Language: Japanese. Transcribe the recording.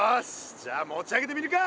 じゃあ持ち上げてみるか。